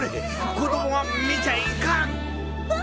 子供は見ちゃいかん！